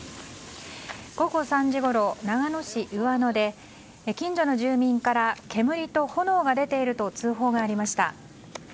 午後３時ごろ、長野市上野で近所の住民から煙と炎が出ていると通報がありました。